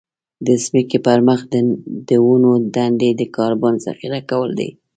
د ځمکې پر مخ د ونو دندې د کاربن ذخيره کول دي.